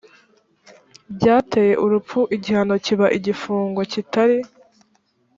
byateye urupfu igihano kiba igifungo kitari